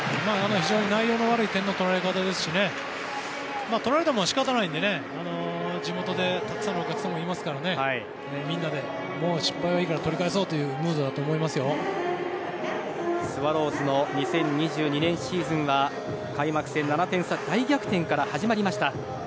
非常に内容の悪い点の取られ方ですし取られたものは仕方ないので地元でたくさんのお客さんもいますからみんなでもう失敗はいいから取り返そうというスワローズの２０２２年シーズンは開幕戦７点差大逆転から始まりました。